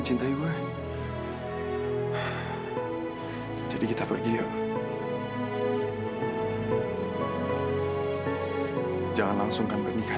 sampai jumpa di video selanjutnya